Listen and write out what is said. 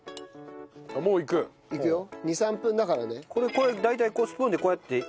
これ大体こうスプーンでこうやって。